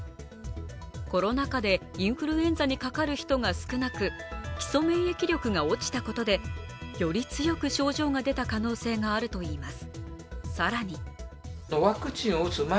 コロナ禍でインフルエンザにかかる人が少なく基礎免疫力が落ちたことでより強く症状が出た可能性があるといいます